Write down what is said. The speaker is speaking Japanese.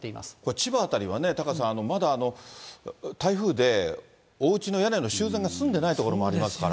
千葉辺りはタカさん、まだ台風でおうちの屋根の修繕が済んでない所もありますから。